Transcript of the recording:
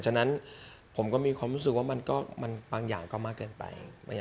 ฉะนั้นผมก็มีความรู้สึกว่ามันบางอย่างก็มากเกินไป